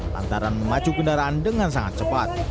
lantaran memacu kendaraan dengan sangat cepat